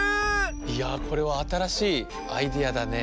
いやこれはあたらしいアイデアだね。